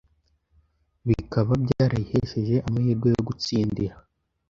bikaba byarayihesheje amahirwe yo gutsindira